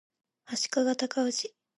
足利尊氏